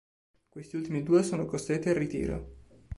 Questi ultimi due sono costretti al ritiro.